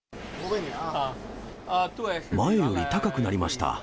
前より高くなりました。